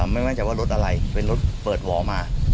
ไม่มั่นใจว่ารถอะไรเป็นรถเปิดหวอมา